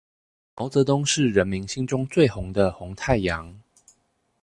毛澤東是人民心中最紅的紅太陽